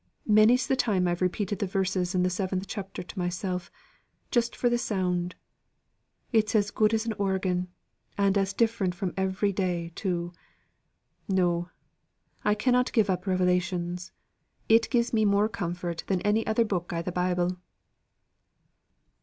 Many's the time I've repeated the verses in the seventh chapter to myself, just for the sound. It's as good as an organ, and as different from every day, too. No, I cannot give up Revelations. It gives me more comfort than any other book i' the Bible."